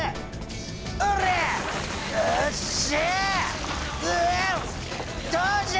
うっしゃ！